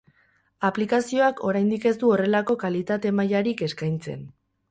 Aplikazioak oraindik ez du horrelako kalitate-mailarik eskaintzen